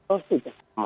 oh tidak sama